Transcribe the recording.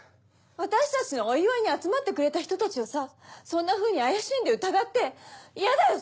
私たちのお祝いに集まってくれた人たちをさそんなふうに怪しんで疑って嫌だよ！